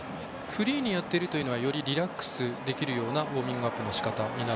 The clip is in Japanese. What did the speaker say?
フリーにやっているというのはリラックスしたウォーミングアップのしかたと？